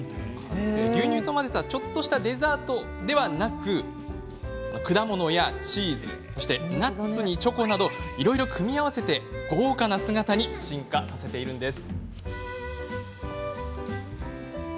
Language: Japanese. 牛乳と混ぜたちょっとしたデザートではなく果物やチーズナッツやチョコなどいろいろ組み合わせて豪華な姿に進化させています。